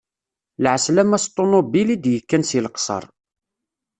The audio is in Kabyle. Lɛeslama s ṭunubil, i d-yekkan seg Leqser.